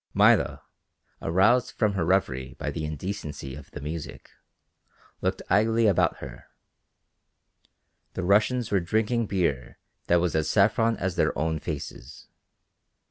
Maida, aroused from her revery by the indecency of the music, looked idly about her. The Russians were drinking beer that was as saffron as their own faces.